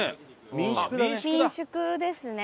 民宿ですね。